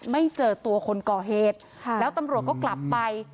ไม่เจอตัวคนก่อเหตุแล้วตำรวจก็กลับไป